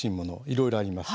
いろいろあります。